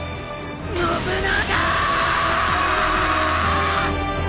信長！！